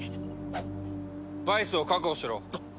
バイスを確保しろ。